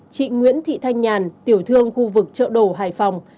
chị nguyễn thị thanh nhàn tiểu thương khu vực chợ đồ hải phòng